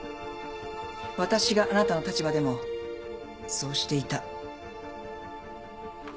わたしがあなたの立場でもそうしていた。